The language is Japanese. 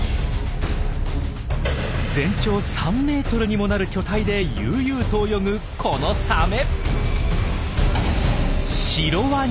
全長３メートルにもなる巨体で悠々と泳ぐこのサメ。